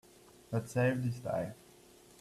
That saved his life.